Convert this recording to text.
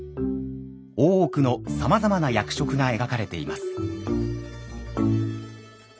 大奥のさまざまな役職が描かれています。